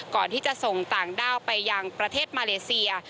ก่อนที่จะส่งต่างด้าวไปยังประเทศมาเลเซีย